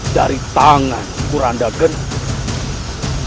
dari tangan kurangnya gendut